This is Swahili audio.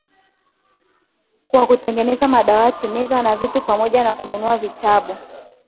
Kwa kutengeneza madawati, meza na viti pamoja na kununua vitabu.